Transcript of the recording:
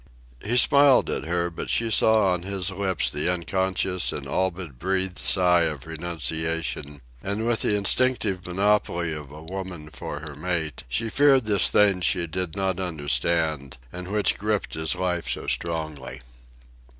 He smiled at her, but she saw on his lips the unconscious and all but breathed sigh of renunciation, and with the instinctive monopoly of woman for her mate, she feared this thing she did not understand and which gripped his life so strongly.